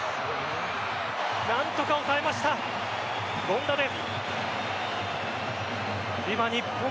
何とか押さえました、権田です。